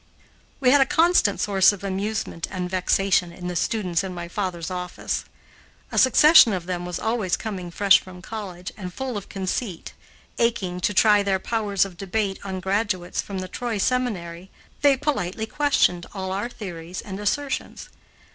We had a constant source of amusement and vexation in the students in my father's office. A succession of them was always coming fresh from college and full of conceit. Aching to try their powers of debate on graduates from the Troy Seminary, they politely questioned all our theories and assertions.